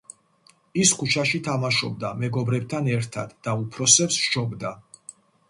ის ქუჩაში თამაშობდა მეგობრებთან ერთად და უფროსებს სჯობდა.